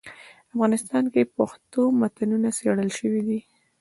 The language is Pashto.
افغانستان کي پښتو متونو څېړل سوي دي.